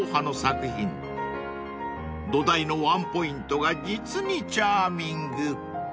［土台のワンポイントが実にチャーミング］